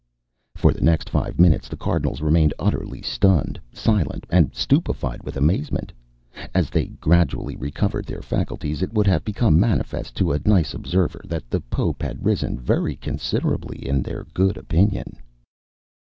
For the next five minutes the Cardinals remained utterly stunned, silent, and stupefied with amazement. As they gradually recovered their faculties it would have become manifest to a nice observer that the Pope had risen very considerably in their good opinion.